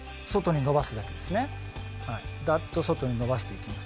ザッと外に伸ばしていきます。